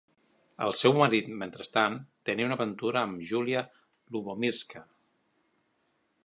El seu marit, mentrestant, tenia una aventura amb Julia Lubomirska.